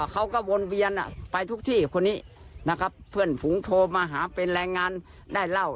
เขาก็วนเวียนไปทุกที่คนนี้นะครับเพื่อนฝูงโทรมาหาเป็นแรงงานได้เหล้า